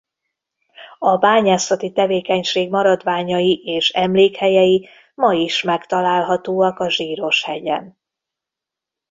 A bányászati tevékenység maradványai és emlékhelyei ma is megtalálhatóak a Zsíros-hegyen.